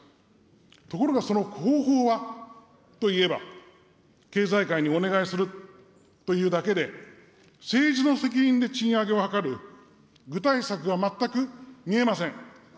ところがその方法はといえば、経済界にお願いするというだけで、政治の責任で賃上げを図る、具体策が全く見えません。